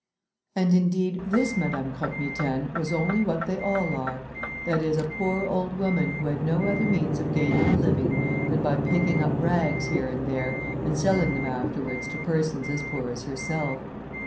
And, indeed, this Madame Croque Mitaine was only what they all are; that is a poor old woman, who had no other means of gaining a living, than by picking up rags here and there, and selling them afterwards to persons as poor as herself.